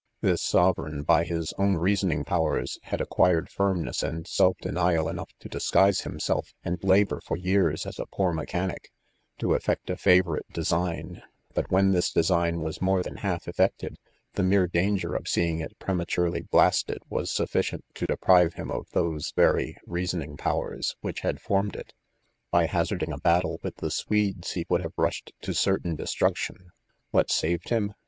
_> This sovereign, by his " own reasoning powers," had ac quired firmness and self denial enough to disguise himself and labour, for years, as a poor mechanic, to effect & favor ite design ; but when this design was more than half effected, the mere danger of seeing it prematurely blasted was suffi cient to deprive him of those very c < reasoning powers" which had formed it : hy hazarding a battle with the .Svodf he would have rushed to certain destruction. What enved bun